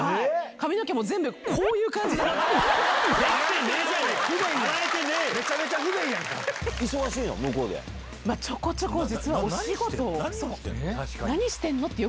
髪の毛も全部、こういう感じになって。